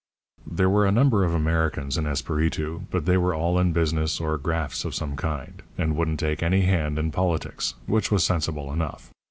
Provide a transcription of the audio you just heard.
"There were a number of Americans in Esperitu, but they were all in business or grafts of some kind, and wouldn't take any hand in politics, which was sensible enough.